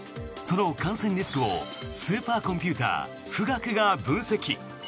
その感染リスクをスーパーコンピューター、富岳が分析。